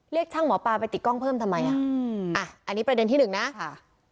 เรียกช่างหมอปลาไปติดกล้องเพิ่มทำไมอ่ะอันนี้ประเด็นที่๑นะ